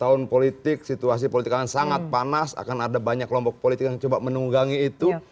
ini sangat panas akan ada banyak kelompok politik yang menunggangi itu